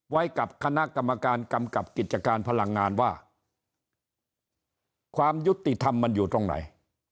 ไว้กับคณะกรรมการกำกับกิจการพลังงานว่าความยุติธรรมมันอยู่ตรงไหน